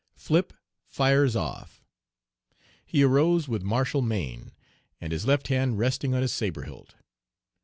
FRIP FIRES OFF. He arose with martial mien, and his left hand resting on his sabre hilt.